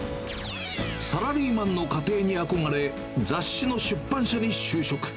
サラリーマンの家庭に憧れ、雑誌の出版社に就職。